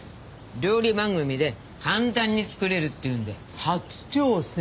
料理番組で簡単に作れるっていうんで初挑戦。